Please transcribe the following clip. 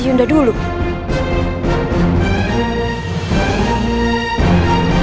kita sampai datang ke tempat kamu